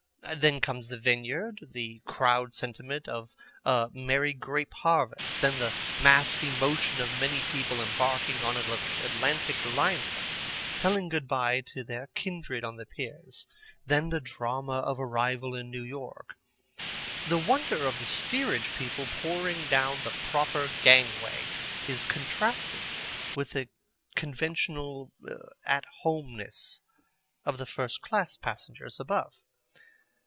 Then comes the vineyard, the crowd sentiment of a merry grape harvest, then the massed emotion of many people embarking on an Atlantic liner telling good by to their kindred on the piers, then the drama of arrival in New York. The wonder of the steerage people pouring down their proper gangway is contrasted with the conventional at home ness of the first class passengers above.